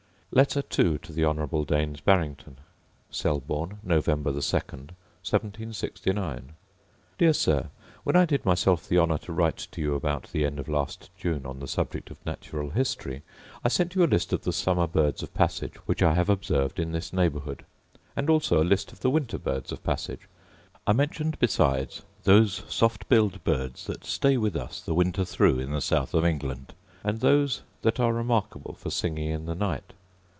Letter II To The Honourable Daines Barrington Selborne, Nov. 2, 1769. Dear Sir, When I did myself the honour to write to you about the end of last June on the subject of natural history, I sent you a list of the summer birds of passage which I have observed in this neighbourhood; and also a list of the winter birds of passage; I mentioned besides those soft billed birds that stay with us the winter through in the south of England, and those that are remarkable for singing in the night.